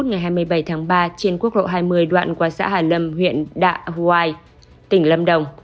ngày hai mươi bảy tháng ba trên quốc lộ hai mươi đoạn qua xã hà lâm huyện đạ huai tỉnh lâm đồng